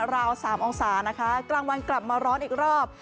ราว๓องศานะคะกลางวันกลับมาร้อนอีกรอบ